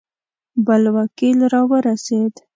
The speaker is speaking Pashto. بل وکیل را ورسېد.